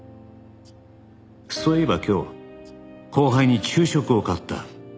「そういえば今日後輩に昼食を買った」